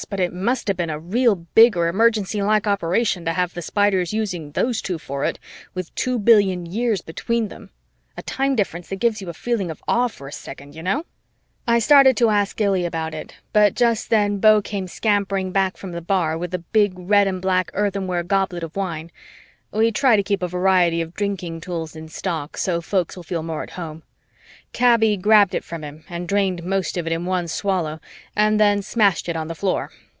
but it must have been a real big or emergency like operation to have the Spiders using those two for it, with two billion years between them a time difference that gives you a feeling of awe for a second, you know. I started to ask Illy about it, but just then Beau came scampering back from the bar with a big red and black earthenware goblet of wine we try to keep a variety of drinking tools in stock so folks will feel more at home. Kaby grabbed it from him and drained most of it in one swallow and then smashed it on the floor.